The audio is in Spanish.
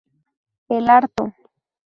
El Arto.